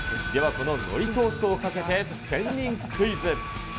こののりトーストをかけて、仙人クイズ。